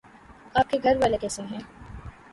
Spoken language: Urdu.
آپ کے گھر والے کیسے ہے